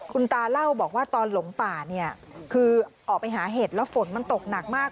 คุณตาเล่าบอกว่าตอนหลงป่าเนี่ยคือออกไปหาเห็ดแล้วฝนมันตกหนักมาก